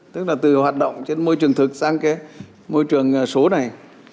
tức là từ hoạt động trên môi trường thực sang cái môi trường số này